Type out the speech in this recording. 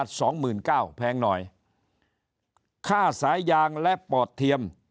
๒๙๐๐๐บาทแพงหน่อยค่าสายยางและปอดเทียม